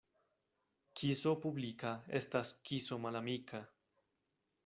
Kiso publika estas kiso malamika.